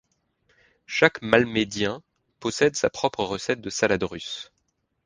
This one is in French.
Chaque Malmédien possède sa propre recette de salade russe.